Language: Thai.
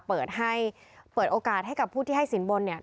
เปิดให้เปิดโอกาสให้กับผู้ที่ให้สินบนเนี่ย